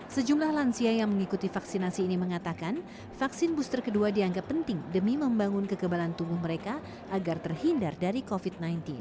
sejumlah lansia yang mengikuti vaksinasi ini mengatakan vaksin booster kedua dianggap penting demi membangun kekebalan tubuh mereka agar terhindar dari covid sembilan belas